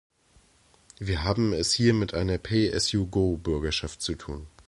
Wir haben es hier mit einer "Pay-as-you-go-Bürgerschaft" zu tun.